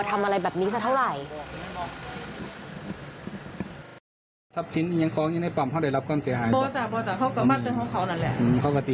ทำอะไรแบบนี้เสียเท่าไร